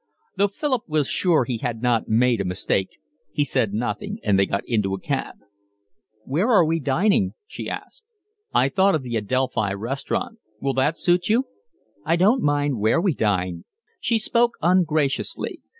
Though Philip was sure he had not made a mistake, he said nothing, and they got into a cab. "Where are we dining?" she asked. "I thought of the Adelphi Restaurant. Will that suit you?" "I don't mind where we dine." She spoke ungraciously.